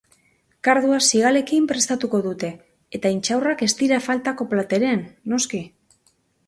Kardua zigalekin prestatuko dute, eta intxaurrak ez dira faltako platerean, noski.